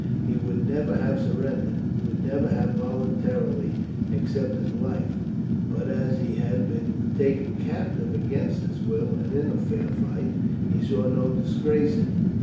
He would never have surrendered; would never have voluntarily accepted life; but as he had been taken captive against his will and in fair fight, he saw no disgrace in it.